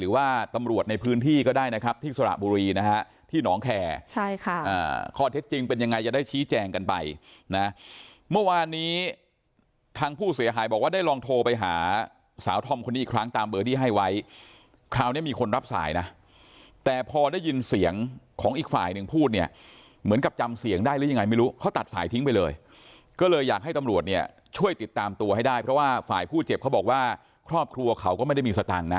เมื่อวานนี้ทางผู้เสียหายบอกว่าได้ลองโทรไปหาสาวธรรมคนนี้อีกครั้งตามเบอร์ที่ให้ไว้คราวนี้มีคนรับสายนะแต่พอได้ยินเสียงของอีกฝ่ายหนึ่งพูดเนี่ยเหมือนกับจำเสียงได้หรือยังไงไม่รู้เขาตัดสายทิ้งไปเลยก็เลยอยากให้ตำรวจเนี่ยช่วยติดตามตัวให้ได้เพราะว่าฝ่ายผู้เจ็บเขาบอกว่าครอบครัวเขาก็ไม่ได้